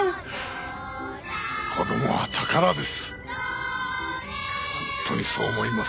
子供は宝です。